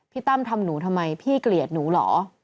ตั้มทำหนูทำไมพี่เกลียดหนูเหรอ